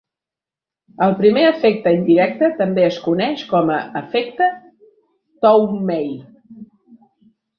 El primer efecte indirecte també es coneix com a efecte Twomey.